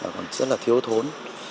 rất là thiếu thốn